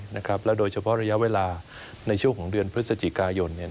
แล้วโดยเฉพาะระยะเวลาในช่วงของเดือนพฤศจิกายน